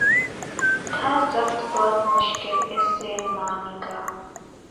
تھا ضبط بہت مشکل اس سیل معانی کا